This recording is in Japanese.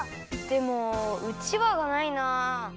でもうちわがないな。